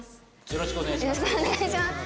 よろしくお願いします！